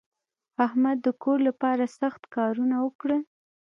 احمد د کور لپاره سخت کارونه وکړل.